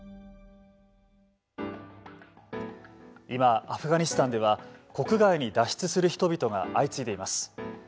今アフガニスタンでは国外に脱出する人々が相次いでいます。